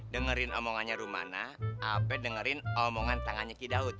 dengerin omongannya rumana ape dengerin omongan tangannya ki daud